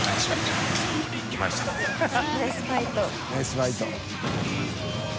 「ナイスファイト」